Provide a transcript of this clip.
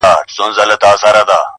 له نارنج تر انارګله له پامیره تر کابله-